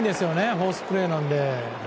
フォースプレーなので。